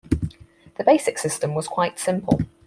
The basic system was quite simple.